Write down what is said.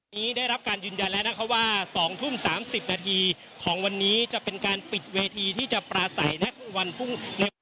ได้รับการยืนยันแล้วนะคะว่า๒ทุ่ม๓๐นาทีของวันนี้จะเป็นการปิดเวทีที่จะปราศัยวันพรุ่งนี้